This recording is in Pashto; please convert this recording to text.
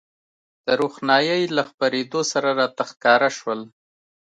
د روښنایۍ له خپرېدو سره راته ښکاره شول.